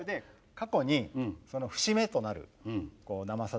過去に節目となる「生さだ」